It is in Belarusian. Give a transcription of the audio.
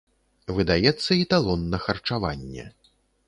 Выдаецца і талон на харчаванне.